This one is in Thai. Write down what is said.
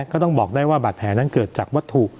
ก็ต้องบอกได้ว่าบาดแผลนั้นเกิดจากวัตถุ